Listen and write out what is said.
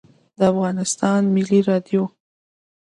د افغانستان ملی رادیو